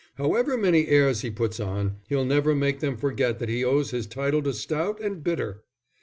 However many airs he puts on, he'll never make them forget that he owes his title to stout and bitter.